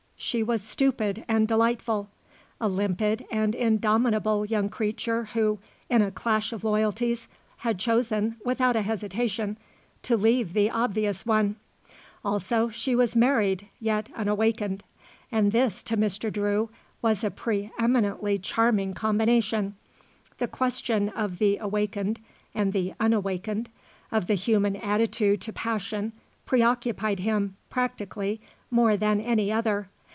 She was stupid and delightful; a limpid and indomitable young creature who, in a clash of loyalties, had chosen, without a hesitation, to leave the obvious one. Also she was married yet unawakened, and this, to Mr. Drew, was a pre eminently charming combination. The question of the awakened and the unawakened, of the human attitude to passion, preoccupied him, practically, more than any other.